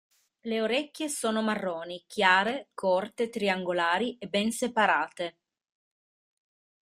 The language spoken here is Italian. Le orecchie sono marroni chiare, corte, triangolari e ben separate.